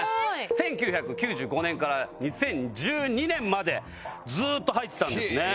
１９９５年から２０１２年までずっと入ってたんですね。